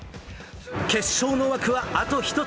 決勝の枠はあと１つ。